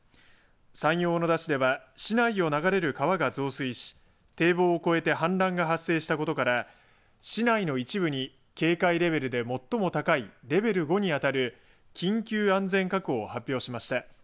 山陽小野田市では市内を流れる川が増水し堤防を越えて氾濫が発生したことから市内の一部に警戒レベルで最も高いレベル５に当たる緊急安全確保を発表しました。